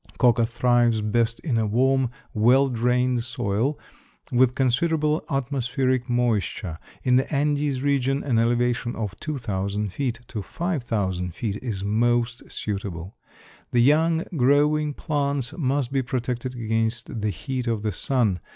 Coca thrives best in a warm, well drained soil, with considerable atmospheric moisture. In the Andes region an elevation of 2,000 feet to 5,000 feet is most suitable. The young growing plants must be protected against the heat of the sun.